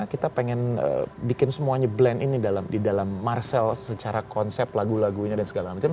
kita pengen bikin semuanya blend ini di dalam marcel secara konsep lagu lagunya dan segala macam